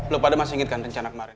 lo pada masih inget kan rencana kemarin